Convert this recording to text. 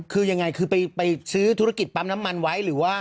คือยังไงคือไปซื้อธุรกิจปั๊มน้ำมันไว้หรือว่า